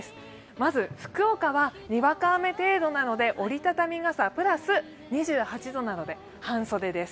まず福岡はにわか雨程度なので、折りたたみ傘プラス、２８度なので半袖です。